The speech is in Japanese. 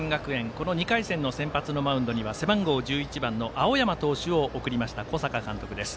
この２回戦の先発のマウンドには背番号１１番の青山投手を送りました小坂監督です。